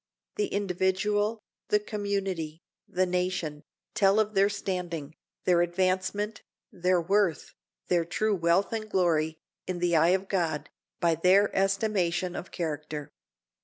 The individual, the community, the nation, tell of their standing, their advancement, their worth, their true wealth and glory, in the eye of God, by their estimation of character.